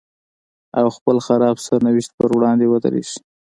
او خپل خراب سرنوشت په وړاندې ودرېږي.